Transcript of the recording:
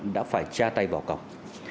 đã phải tra tay vào cổng